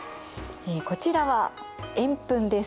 こちらは円墳です。